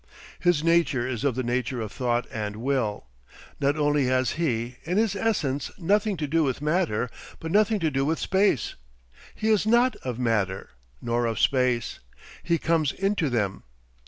His nature is of the nature of thought and will. Not only has he, in his essence, nothing to do with matter, but nothing to do with space. He is not of matter nor of space. He comes into them.